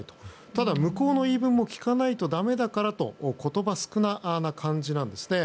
ただ、向こうの言い分も聞かないと駄目だからと言葉少なな感じです。